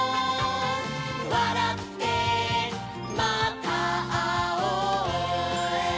「わらってまたあおう」